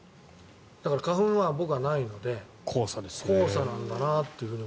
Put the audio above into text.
だから花粉は、僕はないので黄砂なんだなっていうふうに。